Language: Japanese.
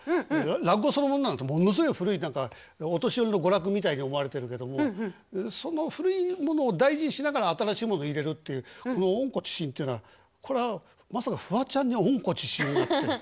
落語そのものなんてものすごい古い何かお年寄りの娯楽みたいに思われてるけどもその古いものを大事にしながら新しいものを入れるっていうこの「温故知新」っていうのはこれはまさかフワちゃんに「温故知新」がって。